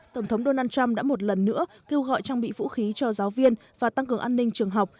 tổng thống donald trump đã một lần nữa kêu gọi trang bị vũ khí cho giáo viên và tăng cường an ninh trường học